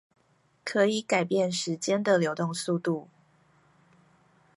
可以改變時間的流動速度